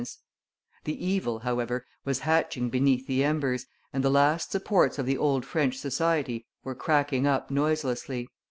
_ The evil, however, was hatching beneath the embers, and the last supports of the old French society were cracking up noiselessly.